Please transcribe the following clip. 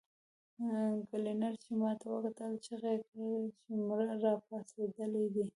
کلينر چې ماته وکتل چيغه يې کړه چې مړی راپاڅېدلی دی.